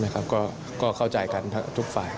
ก็เข้าใจกันทุกฝ่าย